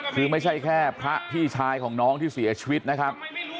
คือไม่ใช่แค่พระพี่ชายของน้องที่เสียชีวิตนะครับ